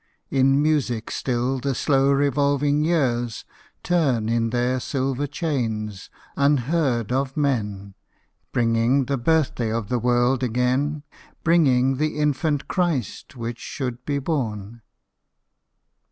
In music still the slow revolving years Turn in their silver chain, unheard of men, Bringing the birthday of the world again, — Bringing the infant Christ which should be born.